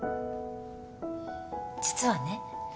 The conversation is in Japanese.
実はね